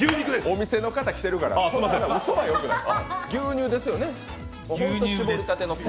お店の方来てるからうそはよくない。